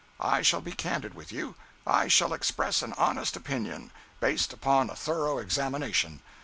I shall be candid with you. I shall express an honest opinion, based upon a thorough examination.